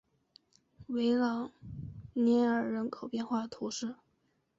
维朗涅尔人口变化图示